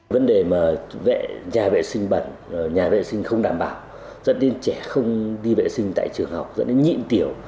vấn đề nhà vệ sinh bẩn nhà vệ sinh không đảm bảo dẫn đến trẻ không đi vệ sinh tại trường học dẫn đến nhịn tiểu